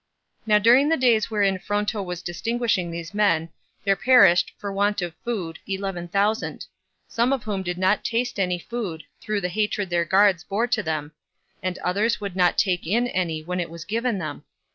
Now during the days wherein Fronto was distinguishing these men, there perished, for want of food, eleven thousand; some of whom did not taste any food, through the hatred their guards bore to them; and others would not take in any when it was given them.